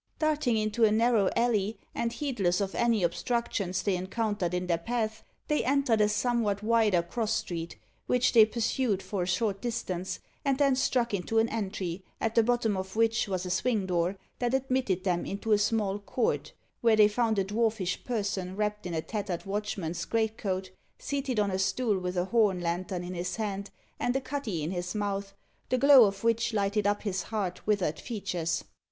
Darting into a narrow alley, and heedless of any obstructions they encountered in their path, they entered a somewhat wider cross street, which they pursued for a short distance, and then struck into an entry, at the bottom of which was a swing door that admitted them into a small court, where they found a dwarfish person wrapped in a tattered watchman's greatcoat, seated on a stool with a horn lantern in his hand and a cutty in his mouth, the glow of which lighted up his hard, withered features.